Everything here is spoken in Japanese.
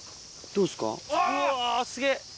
うわっ、すげえ。